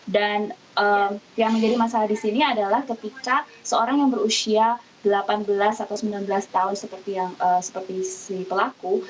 dan yang menjadi masalah di sini adalah ketika seorang yang berusia delapan belas atau sembilan belas tahun seperti si pelaku